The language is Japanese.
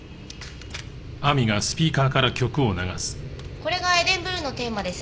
これが『エデンブルーのテーマ』です。